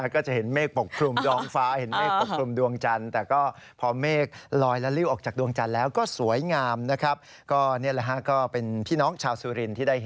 ก็จะเห็นเมฆปกครุมดองฟ้าเห็นเมฆปกครุมดวงจันทร์